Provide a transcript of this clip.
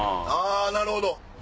なるほど。